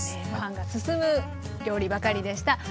ご飯が進む料理ばかりでした。